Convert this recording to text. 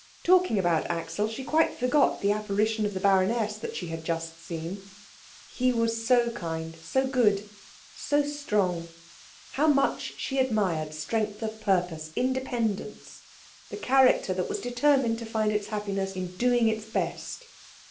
Talking about Axel she quite forgot the apparition of the baroness that she had just seen. He was so kind, so good, so strong. How much she admired strength of purpose, independence, the character that was determined to find its happiness in doing its best.